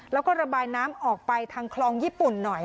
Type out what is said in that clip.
แล้วก็ระบายน้ำออกไปทางคลองญี่ปุ่นหน่อย